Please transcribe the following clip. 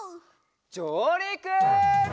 じょうりく！